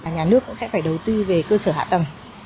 nhà nước cũng sẽ phải đầu tư về cơ sở hạ tầng